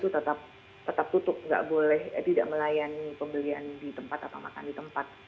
jadi bahan bahan itu tetap tutup tidak boleh melayani pembelian di tempat atau makan di tempat